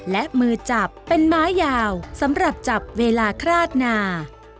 และมือจับเป็นม้ายาวสำหรับจับเวลาคราดนา